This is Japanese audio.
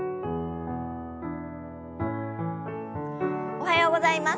おはようございます。